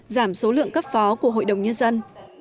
giảm số lượng cấp phó của hội đồng nhân dân